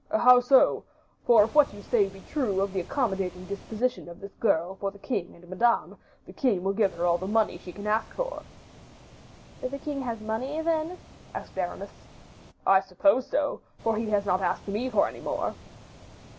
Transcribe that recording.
"How so? For if what you say be true of the accommodating disposition of this girl for the king and Madame, the king will give her all the money she can ask for." "The king has money, then?" asked Aramis. "I suppose so, for he has not asked me for any more."